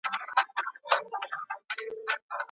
ترکمني، فرانسوي، جرمني، ايټالوي، تبتي، اويستايي،